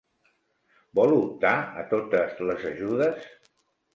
Vol optar a totes les ajudes?